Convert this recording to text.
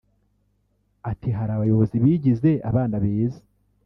Ati” Hari abayobozi bigize abana beza